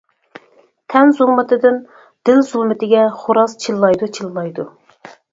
تەن زۇلمىتىدىن دىل زۇلمىتىگە خوراز چىللايدۇ، چىللايدۇ.